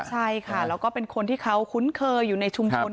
ใช่ค่ะแล้วก็เป็นคนที่เขาคุ้นเคยอยู่ในชุมชน